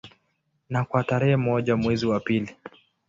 Na kwa tarehe moja mwezi wa pili